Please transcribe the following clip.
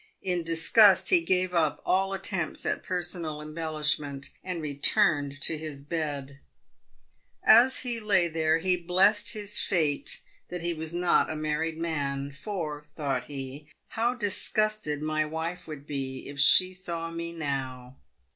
In disgust he gave up all attempts at personal embellishment, and returned to his bed. As he lay there, he blessed his fate that he was not a married man ;" for," thought he, " how disgusted my wife would be if she saw me now."